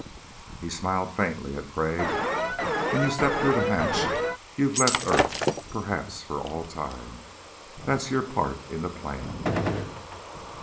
He smiled faintly at Crag. "When you step through the hatch you've left earth, perhaps for all time. That's your part in the plan.